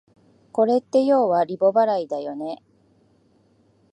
これってようはリボ払いだよね